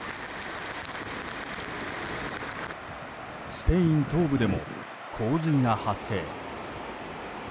スペイン東部でも、洪水が発生。